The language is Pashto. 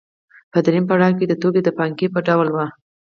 په درېیم پړاو کې د توکو د پانګې په ډول وه